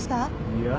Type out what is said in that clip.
いや。